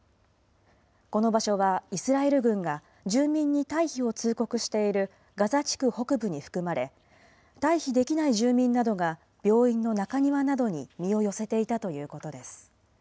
この場所はイスラエル軍が、住民に退避を通告しているガザ地区北部に含まれ、退避できない住民などが病院の中庭などに身を寄せていたということです。